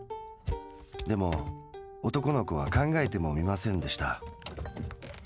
でも男の子は考えてもみませんでした。